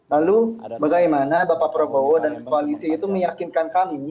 lalu bagaimana bapak prabowo dan koalisi itu meyakinkan kami